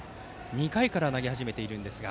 ２回から投げ始めていますが。